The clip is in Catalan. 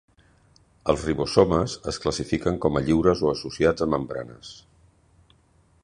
Els ribosomes es classifiquen com a lliures o associats a membranes.